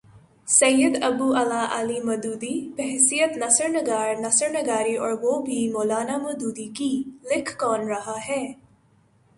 سید ابو الاعلی مودودی، بحیثیت نثر نگار نثر نگاری اور وہ بھی مو لانا مودودی کی! لکھ کون رہا ہے؟